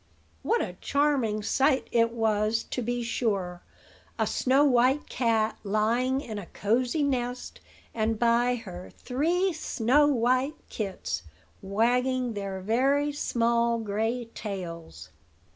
What a charming sight it was, to be sure! a snow white cat lying in a cosy nest, and, by her, three snow white kits, wagging three very small gray tails.